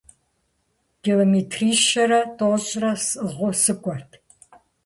Километрищэрэ тӏощӏрэ сӏыгъыу сыкӏуэт.